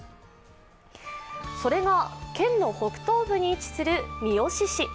それが県の北東部に位置する三次市。